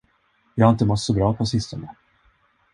Jag har inte mått så bra på sistone.